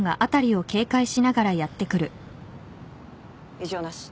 異常なし。